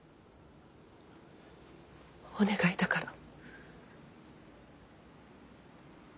お願いだから。